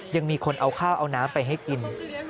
ยังมีคนเอาข้าวเอาน้ำไปให้กิน